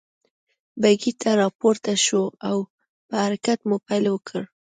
بګۍ ته را پورته شوه او په حرکت مو پيل وکړ.